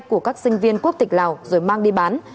của các sinh viên quốc tịch lào rồi mang đi bán